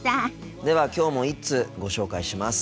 ではきょうも１通ご紹介します。